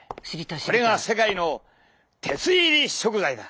これが世界の鉄入り食材だ！